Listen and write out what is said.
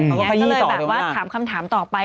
ก็เลยแบบว่าถามคำถามต่อไป